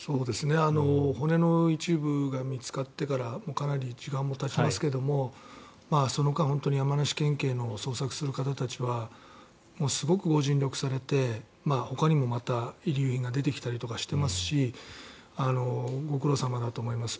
骨の一部が見つかってからもうかなり時間もたちますけれどもその間、本当に山梨県警の捜索する方たちはすごくご尽力されてほかにも遺留品が出てきたりとかしていますしご苦労様だと思います。